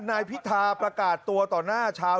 นายพิธาประกาศตัวต่อหน้าชาว